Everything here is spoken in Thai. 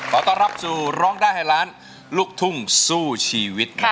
ขอต้อนรับสู่ร้องได้ให้ล้านลูกทุ่งสู้ชีวิต